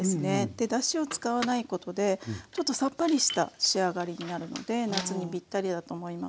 でだしを使わないことでちょっとさっぱりした仕上がりになるので夏にぴったりだと思います。